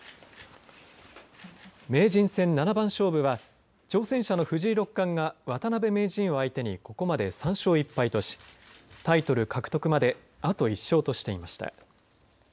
名人戦、七番勝負は挑戦者の藤井六冠が渡辺名人を相手にここまで３勝１敗としタイトル獲得まであと１勝としていました。